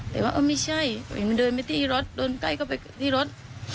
แต่ว่าอ้อไม่ใช่มันเดินไปที่รถโดนใกล้เข้าไปที่รถ